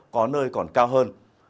có nơi còn cao hơn